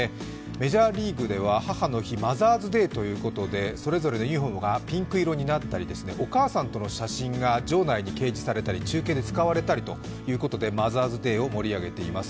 メジャーリーグでは母の日マザーズデーということで、それぞれのユニフォームがピンク色になったり、お母さんとの写真が場内に掲示されたり、中継で使われたりということでマザーズデイを盛り上げています。